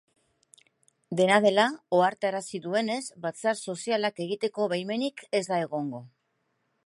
Dena dela, ohartarazi duenez, batzar sozialak egiteko baimenik ez da egongo.